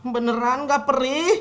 beneran gak perih